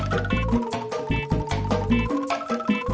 hituan ini ketawa bisa berapu